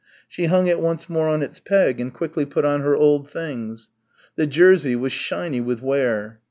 She hung it once more on its peg and quickly put on her old things. The jersey was shiny with wear.